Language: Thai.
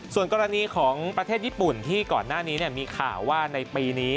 ส่วนกรณีของประเทศญี่ปุ่นที่ก่อนหน้านี้มีข่าวว่าในปีนี้